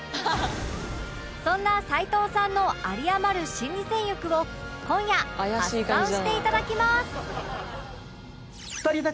そんな齊藤さんのあり余る心理戦欲を今夜発散していただきます